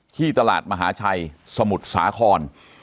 ที่ตลาดมหาชัยสมุทรสาคร